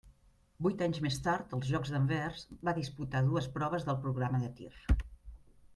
Vuit anys més tard, als Jocs d'Anvers, va disputar dues proves del programa de tir.